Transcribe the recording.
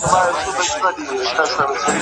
تعصب د انسان سترګې او ذهن بندوي.